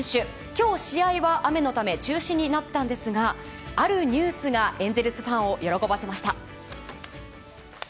今日、試合は雨のため中止になったんですがあるニュースがエンゼルスファンを喜ばせました。